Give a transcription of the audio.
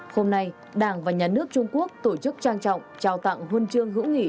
hôm nay đảng và nhà nước trung quốc tổ chức trang trọng trao tặng khuôn trường hữu nghị